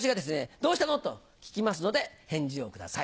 「どうしたの？」と聞きますので返事をください。